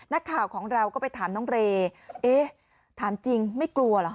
นักข่าวของเราก็ไปถามน้องเรย์เอ๊ะถามจริงไม่กลัวเหรอ